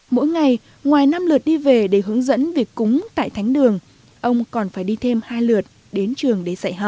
mỗi ngày ngoài năm lượt đi về để hướng dẫn việc cúng tại thánh đường ông còn phải đi thêm hai lượt đến trường